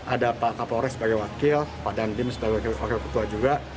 ada pak kapolres sebagai wakil pak dandim sebagai wakil ketua juga